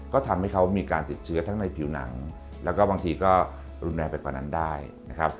ก็ทำให้เขามีการติดเชื้อทั้งในผิวหนังแล้วก็บางทีก็รุนแรงไปกว่านั้นได้นะครับ